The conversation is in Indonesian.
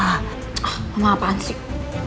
ah sama apaan sih